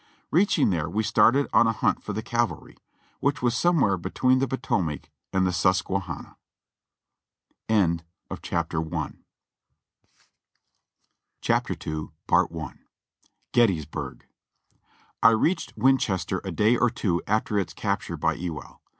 Reaching there we started on a hunt for the cavalry, which was somewhere between the Potomac and the Susque hanna. CHAPTER II. GETTYSBURG. I reached Winchester a day or two after its capture by Ewell.